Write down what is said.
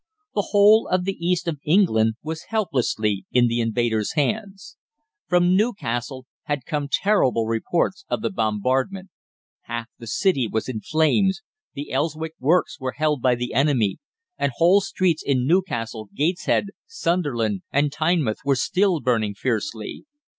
The whole of the east of England was helplessly in the invader's hands. From Newcastle had come terrible reports of the bombardment. Half the city was in flames, the Elswick works were held by the enemy, and whole streets in Newcastle, Gateshead, Sunderland, and Tynemouth were still burning fiercely.